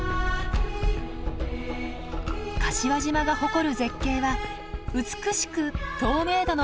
柏島が誇る絶景は美しく透明度の高い海。